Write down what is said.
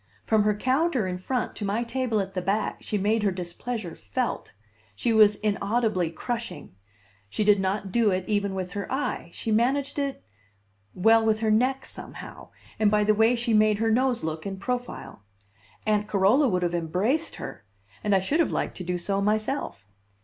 From her counter in front to my table at the back she made her displeasure felt; she was inaudibly crushing; she did not do it even with her eye, she managed it well, with her neck, somehow, and by the way she made her nose look in profile. Aunt Carola would have embraced her and I should have liked to do so myself.